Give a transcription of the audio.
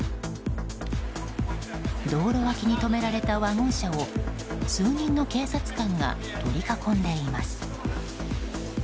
道路脇に止められたワゴン車を数人の警察官が取り囲んでいます。